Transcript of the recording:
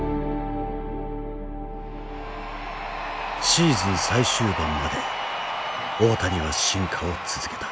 シーズン最終盤まで大谷は進化を続けた。